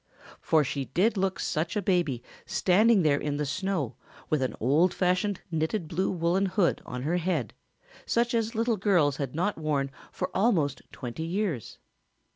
For she did look such a baby standing there in the snow with an old fashioned knitted blue woolen hood on her head, such as little girls had not worn for almost twenty years.